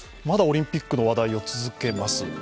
まだオリンピックの話題を続けます。